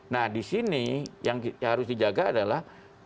nah disini yang harus dijaga adalah